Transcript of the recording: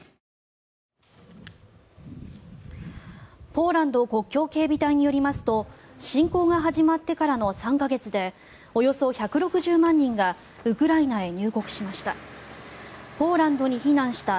ポーランド国境警備隊によりますと侵攻が始まってからの３か月でおよそ１６０万人がウクライナへ入国しました。